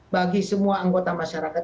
bagi semua anggota masyarakat